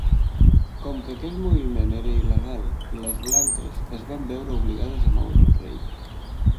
Com que aquell moviment era il·legal, les blanques es van veure obligades a moure el rei.